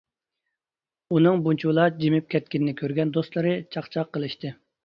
ئۇنىڭ بۇنچىۋالا جىمىپ كەتكىنىنى كۆرگەن دوستلىرى چاقچاق قىلىشتى.